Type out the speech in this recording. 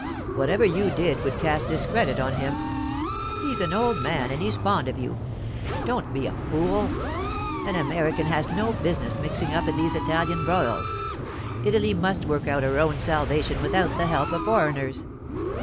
Whatever you did would cast discredit on him. He's an old man, and he's fond of you. Don't be a fool. An American has no business mixing up in these Italian broils; Italy must work out her own salvation without the help of foreigners.